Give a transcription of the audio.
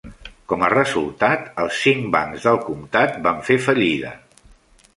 Com a resultat, els cinc bancs del comtat van fer fallida.